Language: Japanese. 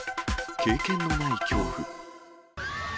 経験のない恐怖。